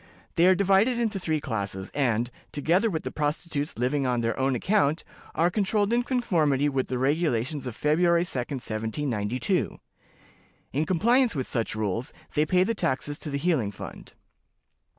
They are divided into three classes, and, together with the prostitutes living on their own account, are controlled in conformity with the regulations of February 2d, 1792. In compliance with such rules, they pay the taxes to the healing fund.